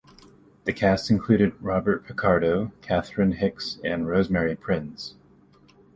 The cast included Robert Picardo, Catherine Hicks, and Rosemary Prinz.